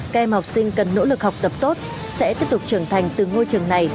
các em học sinh cần nỗ lực học tập tốt sẽ tiếp tục trưởng thành từ ngôi trường này